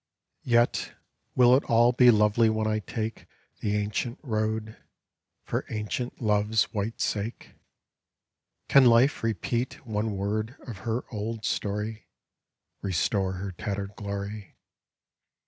Yet will it all be lovely when I take The ancient road, for ancient Love's white sake? Can Life repeat one word of her old story, Restore her tattered glory.